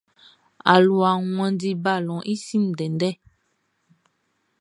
Aluaʼn wanndi balɔnʼn i sin ndɛndɛ.